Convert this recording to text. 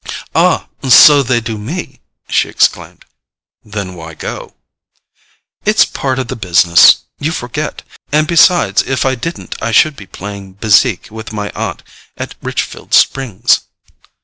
"Ah, so they do me," she exclaimed. "Then why go?" "It's part of the business—you forget! And besides, if I didn't, I should be playing bezique with my aunt at Richfield Springs."